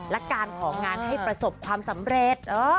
และการของานให้ประสบความสำเร็จ